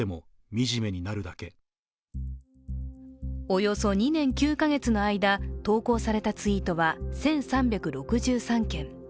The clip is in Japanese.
およそ２年９カ月の間、投降されたツイートは１３６３件。